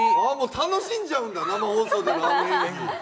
楽しんじゃうんだ、生放送での演技を。